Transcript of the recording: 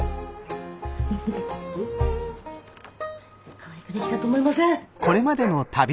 かわいく出来たと思いません？